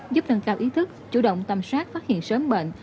giúp nâng cao ý thức chủ động tầm soát phát hiện sớm bệnh